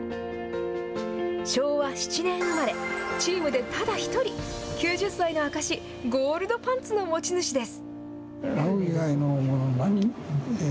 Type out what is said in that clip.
昭和７年生まれ、チームでただ一人、９０歳の証し、ゴールドパンツの持ち主です。